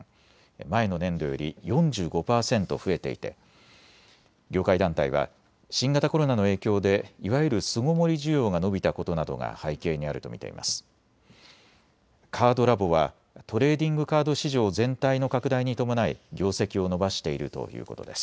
前の年度より４５％増えていて業界団体は新型コロナの影響でいわゆる巣ごもり需要が伸びたことなどが背景にあると見ています。